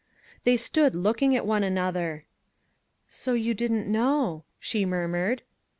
....... They stood looking at one another. "So you didn't know," she murmured.